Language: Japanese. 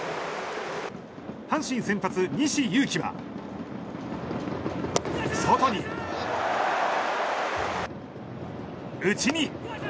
阪神先発、西勇輝は外に、内に。